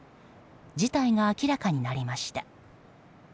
事態が明らかになりました。